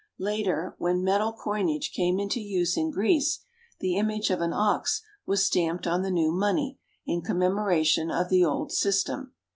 Later when metal coinage came into use in Greece the image of an ox was stamped on the new money in commemoration of the old system.